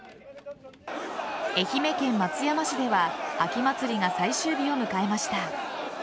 愛媛県松山市では秋祭りが最終日を迎えました。